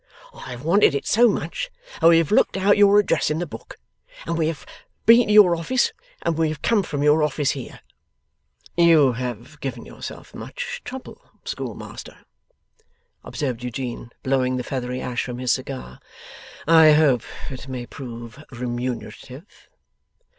I have wanted it so much, that we have looked out your address in the book, and we have been to your office, and we have come from your office here.' 'You have given yourself much trouble, Schoolmaster,' observed Eugene, blowing the feathery ash from his cigar. 'I hope it may prove remunerative.